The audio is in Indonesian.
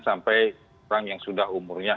sampai orang yang sudah umurnya